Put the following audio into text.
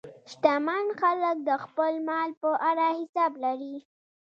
شتمن خلک د خپل مال په اړه حساب لري.